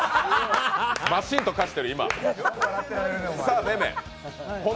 マシーンと化してる、今。